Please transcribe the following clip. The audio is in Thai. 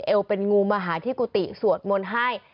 เอวเป็นงูมาหาที่กุฏิสวดมนต์ให้